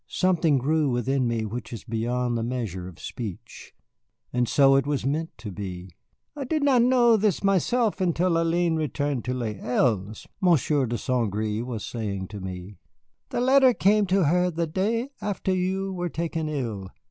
Something grew within me which is beyond the measure of speech, and so it was meant to be. "I did not know this myself until Hélène returned to Les Îles," Monsieur de St. Gré was saying to me. "The letter came to her the day after you were taken ill.